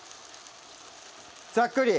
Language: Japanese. ざっくり？